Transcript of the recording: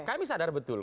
kami sadar betul